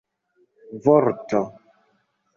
vorto